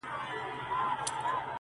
راسه له ساحله د نهنګ خبري نه کوو!.